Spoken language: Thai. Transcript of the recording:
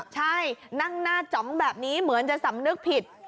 ใช่นั่งหน้าจ๋องแบบนี้เหมือนจะสำนึกผิด